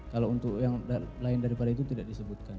kalau untuk yang lain daripada itu tidak disebutkan